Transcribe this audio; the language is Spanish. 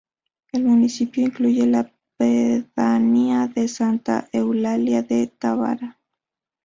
El municipio incluye la pedanía de Santa Eulalia de Tábara.